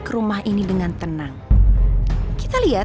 aku penasaran dan ivanpress ngatakan